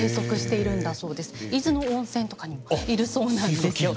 伊豆の温泉とかにもいるそうなんですよ。